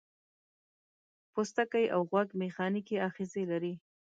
پوستکی او غوږ میخانیکي آخذې لري.